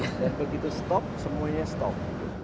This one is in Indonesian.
dan begitu stop semuanya stop